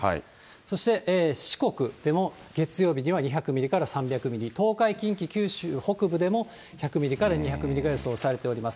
そして四国でも月曜日には２００ミリから３００ミリ、東海、近畿、九州北部でも１００ミリから２００ミリが予想されています。